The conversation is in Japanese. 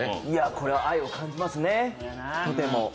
これは愛を感じますね、とても。